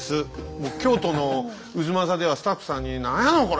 もう京都の太秦ではスタッフさんに「なんやのこれ！